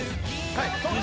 はい。